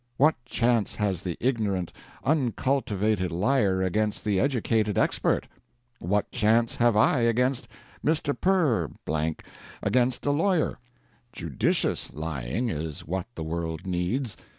What chance has the ignorant, uncultivated liar against the educated expert? What chance have I against Mr. Per against a lawyer? Judicious lying is what the world needs.